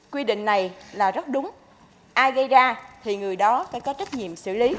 quy định này là rất đúng ai gây ra thì người đó phải có trách nhiệm xử lý